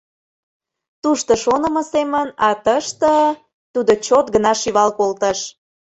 Тушто шонымо семын, а тыште... — тудо чот гына шӱвал колтыш.